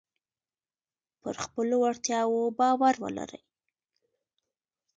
پر خپلو وړتیاو باور ولرئ.